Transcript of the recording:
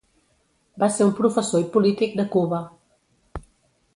Va ser un professor i polític de Cuba.